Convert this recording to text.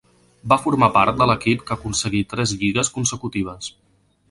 Va formar part de l'equip que aconseguí tres lligues consecutives.